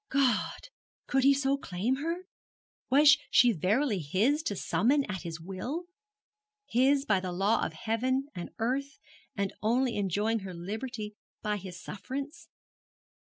God! could he so claim her? Was she verily his, to summon at his will? his by the law of heaven and earth, and only enjoying her liberty by his sufferance?